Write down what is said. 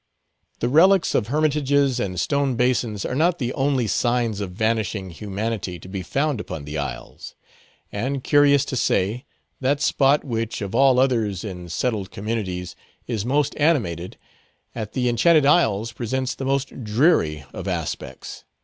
The relics of hermitages and stone basins are not the only signs of vanishing humanity to be found upon the isles. And, curious to say, that spot which of all others in settled communities is most animated, at the Enchanted Isles presents the most dreary of aspects.